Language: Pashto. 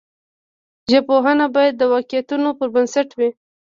ژبپوهنه باید د واقعیتونو پر بنسټ وي.